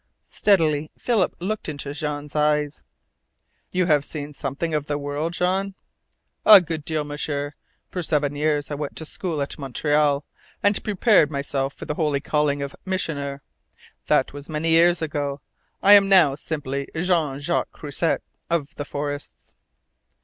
Steadily Philip looked into Jean's eyes. "You have seen something of the world, Jean?" "A good deal, M'sieur. For seven years I went to school at Montreal, and prepared myself for the holy calling of Missioner. That was many years ago. I am now simply Jean Jacques Croisset, of the forests."